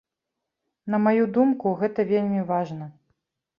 На маю думку, гэта вельмі важна.